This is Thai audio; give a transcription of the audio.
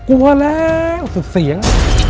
กลัวแล้วสุดเสียง